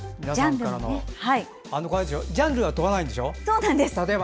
ジャンルは問わないんでしょ？